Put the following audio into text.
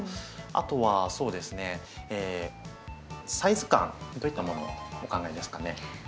あとはそうですねサイズ感どういったものをお考えですかね？